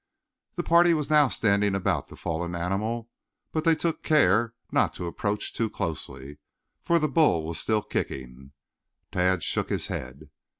The party was now standing about the fallen animal, but they took care not to approach too closely, for the bull was still kicking. Tad shook his head.